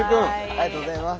ありがとうございます。